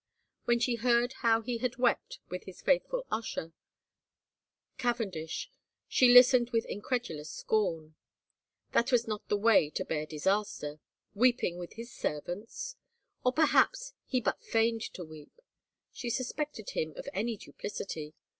When she heard how he had wept with his faithful usher, Cavendish, she listened with incredulous scorn. That was not the way to bear disaster ! Weeping with his servants — I Or perhaps he but feigned to weep. She suspected him of any duplicity.